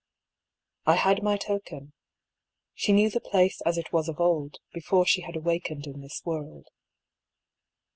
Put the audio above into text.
I had my token — she knew the place as it was of old, before she had awakened in this world.